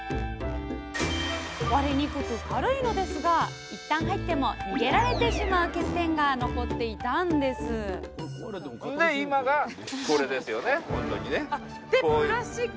割れにくく軽いのですがいったん入っても逃げられてしまう欠点が残っていたんですで今がこれですよね。